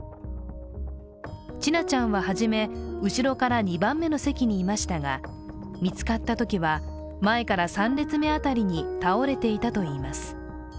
千奈ちゃんは初め後ろから２番目の席にいましたが見つかったときは前から３列目あたりに倒れていたといいます。